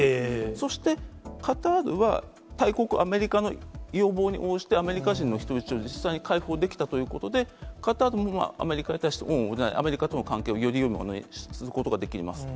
そしてカタールは大国、アメリカの要望に応じてアメリカ人の人質を実際に解放できたということで、カタールのほうは、アメリカに対して恩を売る、アメリカとの関係をよりよいものにすることができます。